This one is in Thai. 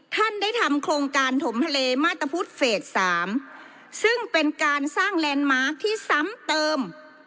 ท่านได้ทำโครงการถมทะเลมาตรพุทธเฟส๓ซึ่งเป็นการสร้างแลนด์มาร์คที่ซ้ำเติม